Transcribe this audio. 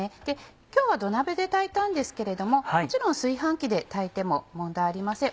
今日は土鍋で炊いたんですけれどももちろん炊飯器で炊いても問題ありません。